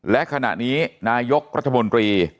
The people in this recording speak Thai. และขณะนี้นายกรัฐมนตรี